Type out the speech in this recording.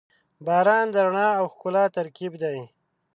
• باران د رڼا او ښکلا ترکیب دی.